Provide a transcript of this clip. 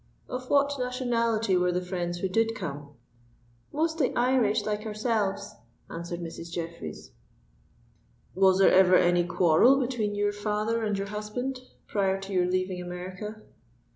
"Of what nationality were the friends who did come?" "Mostly Irish, like ourselves," answered Mrs. Jeffreys. "Was there ever any quarrel between your father and your husband, prior to your leaving America?"